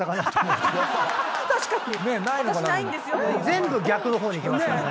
全部逆の方にいきますね。